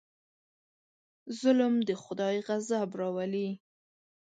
ظلم د خدای غضب راولي.